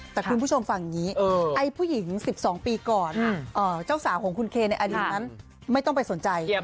แต่คุณผู้ชมฟังอย่างนี้ไอ้ผู้หญิง๑๒ปีก่อนเจ้าสาวของคุณเคในอดีตนั้นไม่ต้องไปสนใจ